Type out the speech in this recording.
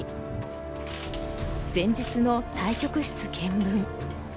前日の対局室検分。